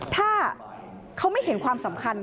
ถ้าเขาไม่เห็นความสำคัญ